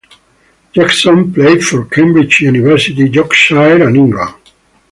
Jackson played for Cambridge University, Yorkshire and England.